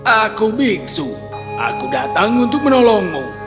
aku biksu aku datang untuk menolongmu